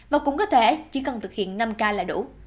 và cũng có thể chỉ cần thực hiện năm k là đủ